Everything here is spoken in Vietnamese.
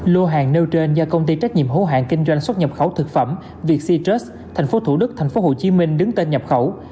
lô hàng nêu trên do công ty trách nhiệm hố hàng kinh doanh xuất nhập khẩu thực phẩm vietcitrus tp thủ đức tp hcm đứng tên nhập khẩu